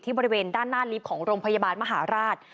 บริเวณด้านหน้าลิฟต์ของโรงพยาบาลมหาราช